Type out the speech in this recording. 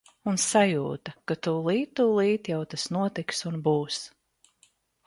Un sajūta, ka tulīt tulīt jau tas notiks un būs!